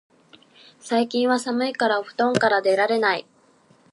最近は寒いからお布団から出られない